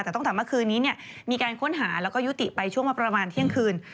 แต่ตั้งแต่เมื่อคืนนี้มีการค้นหาแล้วก็ยุติไปช่วงมาประมาณเที่ยงคืน